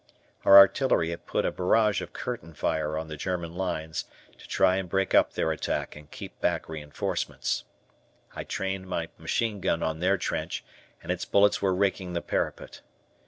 Our artillery had put a barrage of curtain fire on the German lines, to try and break up their attack and keep back reinforcements. I trained my machine gun on their trench and its bullets were raking the parapet.